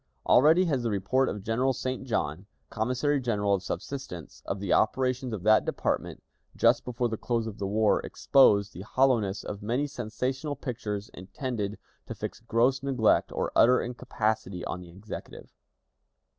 Already has the report of General St. John, Commissary General of Subsistence, of the operations of that department, just before the close of the war, exposed the hollowness of many sensational pictures intended to fix gross neglect or utter incapacity on the Executive.